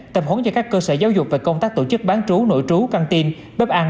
tầm hốn cho các cơ sở giáo dục về công tác tổ chức bán trú nội trú canteen bếp ăn